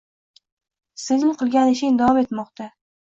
Sening qilgan ishing davom etmoqda